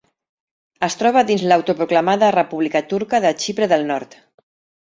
Es troba dins l'autoproclamada República Turca de Xipre del Nord.